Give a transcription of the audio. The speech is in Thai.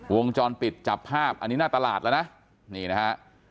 วงจรปิดจับภาพอันนี้หน้าตลาดแล้วนะนี่นะฮะ